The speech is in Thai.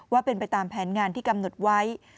ว่าเป็นไปตามแผนงานที่กำหนดไว้